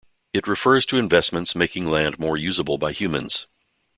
It refers to investments making land more usable by humans.